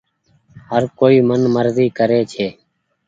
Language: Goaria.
هر ڪوئي من مزي ڪري ڇي۔